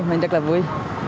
mình rất là vui